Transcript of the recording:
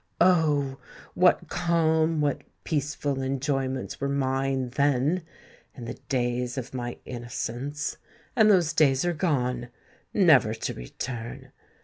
Oh! what calm, what peaceful enjoyments were mine then—in the days of my innocence! And those days are gone—never to return!